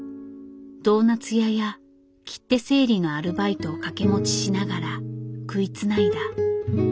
ドーナツ屋や切手整理のアルバイトを掛け持ちしながら食いつないだ。